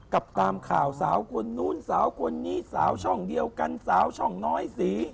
กับตามข่าวสาวคนนู้นสาวคนนี้สาวช่องเดียวกันสาวช่องน้อยสี